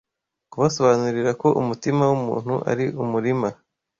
kubasobanurira ko umutima w’umuntu ari umurima